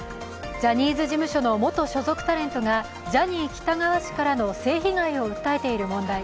ジャニーズ事務所の元所属タレントがジャニー喜多川氏からの性被害を訴えている問題。